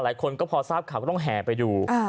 งวกลูกมาคนพอทราบข่าวก็ต้องแห่ไปดู